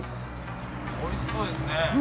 ・おいしそうですね。